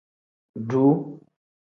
Duu.